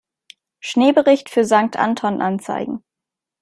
Schneebericht für Sankt Anton anzeigen.